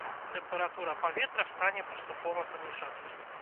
Тэмпература паветра стане паступова паніжацца.